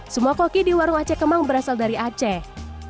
semua koki di warung aceh kemang berasal dari aceh